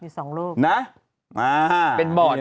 สองรูป